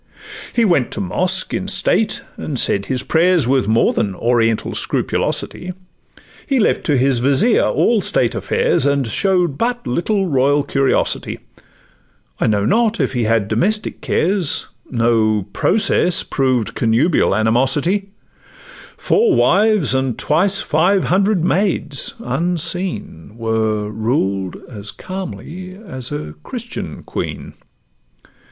He went to mosque in state, and said his prayers With more than 'Oriental scrupulosity;' He left to his vizier all state affairs, And show'd but little royal curiosity: I know not if he had domestic cares— No process proved connubial animosity; Four wives and twice five hundred maids, unseen, Were ruled as calmly as a Christian queen.